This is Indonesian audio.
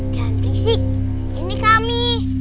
jangan risik ini kami